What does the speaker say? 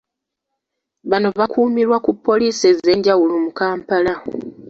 Bano bakuumirwa ku poliisi ez’enjawulo mu Kampala.